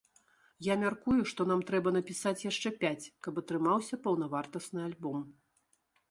Я мяркую, што нам трэба напісаць яшчэ пяць, каб атрымаўся паўнавартасны альбом.